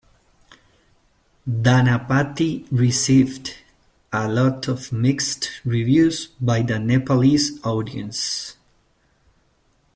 Dhanapati received a lot of mixed reviews by the Nepalese audience.